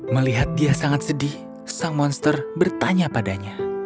melihat dia sangat sedih sang monster bertanya padanya